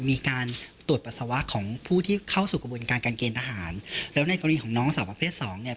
มีการตรวจปัสสาวะของผู้ที่เข้าสู่กระบวนการการเกณฑหารแล้วในกรณีของน้องสาวประเภทสองเนี่ย